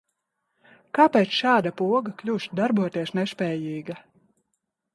Kāpēc šāda poga kļūst darboties nespējīga?